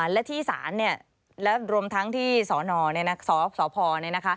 และที่ศาลรวมทั้งที่สอพอร์